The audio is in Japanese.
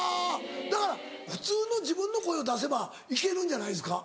だから普通の自分の声を出せばいけるんじゃないですか？